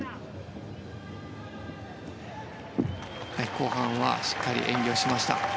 後半はしっかり演技をしました。